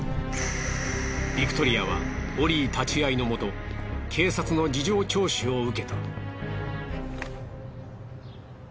ビクトリアはオリー立ち合いのもと警察の事情聴取を受けた。